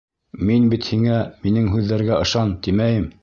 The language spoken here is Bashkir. Мин бит һиңә, минең һүҙҙәргә ышан, тимәйем.